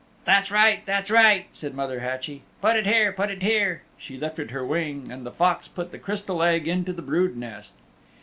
"That's right, that's right," said Mother Hatchie. "Put it here, put it here." She lifted her wing and the Fox put the Crystal Egg into the brood nest.